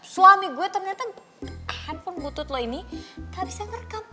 suami gue ternyata handphone butut lo ini ga bisa ngerekam